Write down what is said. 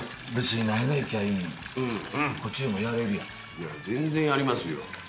いや全然やりますよ。